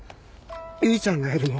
唯ちゃんがやるの？